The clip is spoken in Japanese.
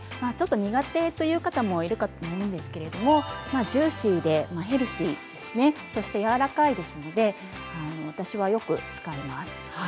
苦手という方もいるかと思うんですけれどジューシーでヘルシーそして、やわらかいですので私はよく使います。